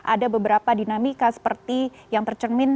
ada beberapa dinamika seperti yang tercermin